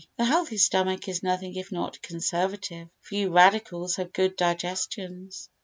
The healthy stomach is nothing if not conservative. Few radicals have good digestions.